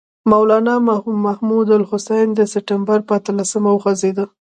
مولنا محمود الحسن د سپټمبر پر اتلسمه وخوځېد.